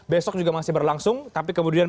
besok juga masih berlangsung tapi kemudian